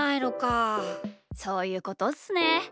そういうことっすね。